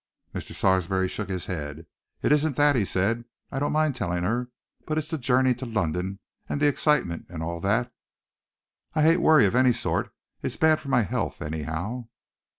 Mr. Sarsby shook his head. "It isn't that," he said. "I don't mind telling her. But it's the journey to London, and the excitement, and all that. I hate worry of any sort. It's bad for my health, anyhow."